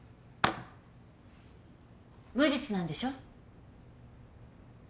無実なんでしょ？